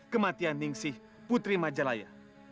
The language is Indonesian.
kematian ningxi putri majalaya